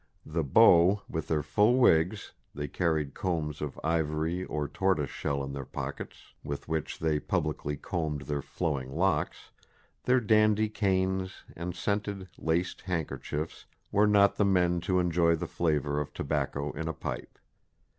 The beaux with their full wigs they carried combs of ivory or tortoiseshell in their pockets with which they publicly combed their flowing locks their dandy canes and scented, laced handkerchiefs, were not the men to enjoy the flavour of tobacco in a pipe.